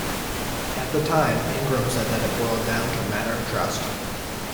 At the time, Ingraham said that it boiled down to a matter of trust.